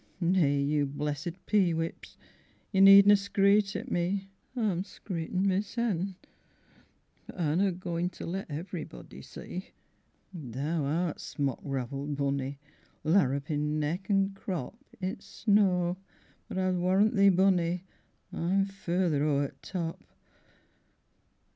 Nay, you blessed pee whips, You nedna screet at me! I'm screetin' my sen, but are na goin' To let iv'rybody see. Tha art smock ravelled, bunny, Larropin' neck an' crop I' th' snow: but I's warrant thee, bunny, I'm further ower th' top.